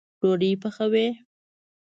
ډوډۍ پخوئ